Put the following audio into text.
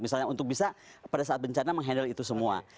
misalnya untuk bisa pada saat bencana menghandle itu semua